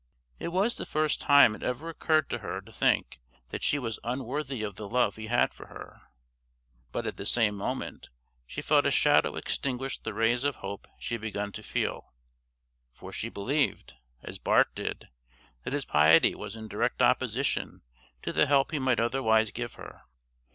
It was the first time it ever occurred to her to think that she was unworthy of the love he had for her; but at the same moment she felt a shadow extinguish the rays of hope she had begun to feel, for she believed, as Bart did, that his piety was in direct opposition to the help he might otherwise give her.